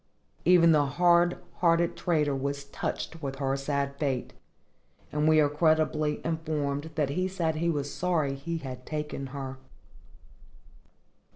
Even the hard hearted trader was touched with her sad fate, and we are credibly informed that he said he was sorry he had taken her.